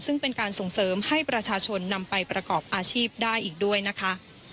ซึ่งเป็นการส่งเสริมให้ประชาชนนำไปประกอบอาชีพได้อีกด้วยนะคะ